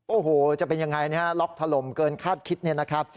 โอ้โหจะเป็นยังไงนะฮะล็อกถล่มเกินคาดคิดเนี่ยนะครับ